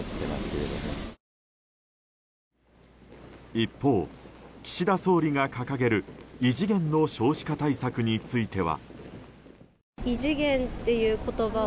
一方、岸田総理が掲げる異次元の少子化対策については。